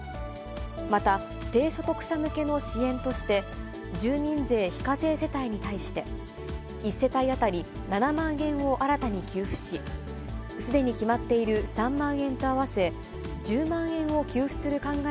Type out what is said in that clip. また、低所得者向けの支援として、住民税非課税世帯に対して、１世帯当たり７万円を新たに給付し、すでに決まっている３万円と合わせ、１０万円を給付する考え